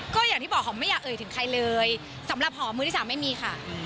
ก็อย่างที่บอกหอมไม่อยากเอ่ยถึงใครเลยสำหรับหอมมือที่สามไม่มีค่ะ